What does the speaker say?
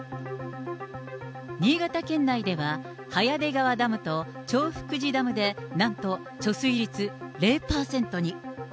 新潟県内では、早出川ダムと長福寺ダムでなんと貯水率０％に。